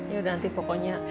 ya udah nanti pokoknya